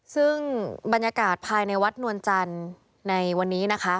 ซึ่งบรรยากาศภายในวัดนวลจันทร์ในวันนี้นะคะ